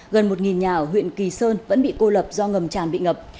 gần một nhà ở huyện kỳ sơn vẫn bị cô lập do ngầm tràn bị ngập